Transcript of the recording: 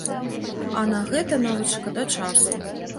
А на гэта нават шкада часу.